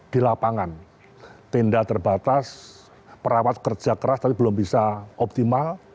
di lapangan tenda terbatas perawat kerja keras tapi belum bisa optimal